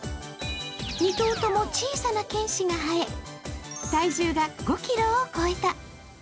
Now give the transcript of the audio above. ２頭とも小さな犬歯が生え、体重が５ｋｇを超えた。